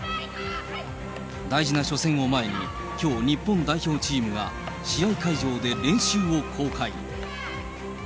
大事な初戦を前に、きょう日本代表チームが、試合会場で練習を公開。